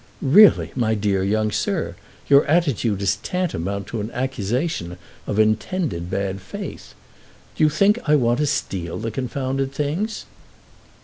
"Really, my dear young sir, your attitude is tantamount to an accusation of intended bad faith. Do you think I want to steal the confounded things?"